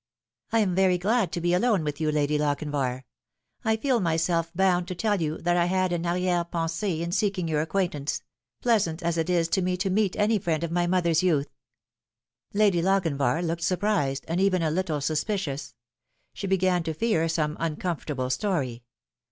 " I am very glad to be alone with you, Lady Lochinvar. I feel myself bound to tell you that I had an arriere pensee in seeking your acquaintance, pleasant as it is to me to meet any friend of my mother's youth." Lady Lochinvar looked surprised, and even a little suspi cious. She began to fear some uncomfortable story.